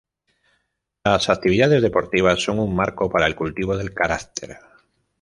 Las actividades deportivas son un marco para el cultivo del carácter.